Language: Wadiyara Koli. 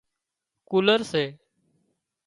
ڪُولر سي